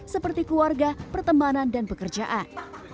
seperti keluarga pertemanan dan pekerjaan